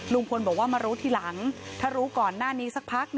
ลุงพลบอกว่ามารู้ทีหลังถ้ารู้ก่อนหน้านี้สักพัก